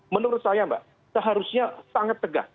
menurut saya mbak seharusnya sangat tegas